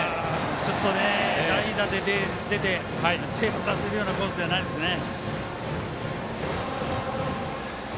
ちょっと代打で出て手が出せるようなコースではないですね。